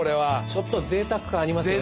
ちょっとぜいたく感ありますよね。